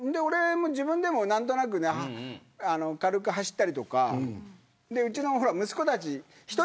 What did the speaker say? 自分でも何となく軽く走ったりとかうちの息子たち１人だと走れないから。